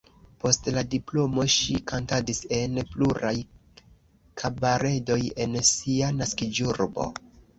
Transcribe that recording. Post la diplomo ŝi kantadis en pluraj kabaredoj en sia naskiĝurbo.